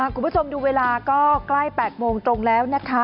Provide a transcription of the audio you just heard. คุณผู้ชมดูเวลาก็ใกล้๘โมงตรงแล้วนะคะ